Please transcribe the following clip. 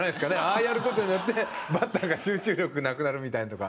ああやる事によって、バッターが集中力なくなるみたいなのとか。